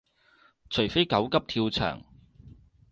除非狗急跳墻